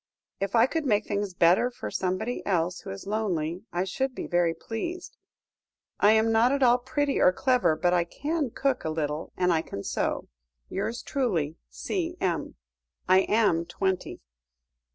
If I could make things better for somebody else who is lonely, I should be very pleased. I am not at all pretty or clever, but I can cook a little, and I can sew. "Yours truly, C.M. "I am twenty."